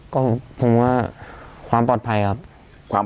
ก็ผมว่าความปลอดภัยครับ